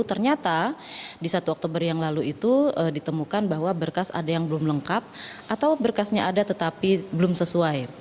ternyata di satu oktober yang lalu itu ditemukan bahwa berkas ada yang belum lengkap atau berkasnya ada tetapi belum sesuai